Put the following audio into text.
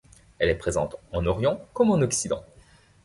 Elle est présente en Orient comme en Occident.